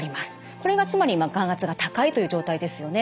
これがつまり眼圧が高いという状態ですよね。